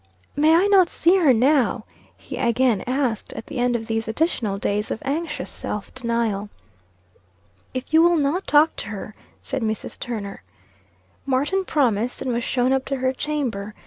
"May I not see her now?" he again asked, at the end of these additional days of anxious self denial. "If you will not talk to her," said Mrs. Turner. Martin promised, and was shown up to her chamber.